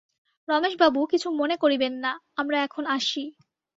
রমেশবাবু, কিছু মনে করিবেন না, আমরা এখন আসি।